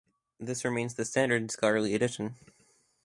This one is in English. This remains the standard scholarly edition.